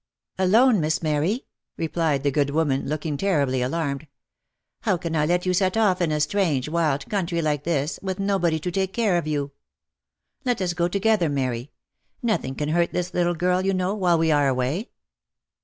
" Alone, Miss Mary ?" replied the good woman, looking terribly alarmed. " How can I let you set off in a strange, wild country like this, with nobody to take care of you? Let us go together, Mary; nothing can hurt this little girl, you know, while we are away."